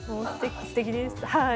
すてきですはい。